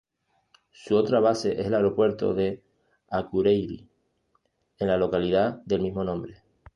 Su otra base es el aeropuerto de Akureyri, en la localidad del mismo nombre.